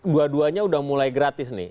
dua duanya udah mulai gratis nih